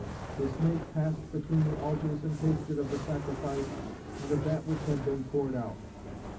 the snake passed between the altars and tasted of the sacrifice and of that which had been poured out.